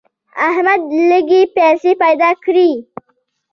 احمد لږې پیسې پیدا کړې.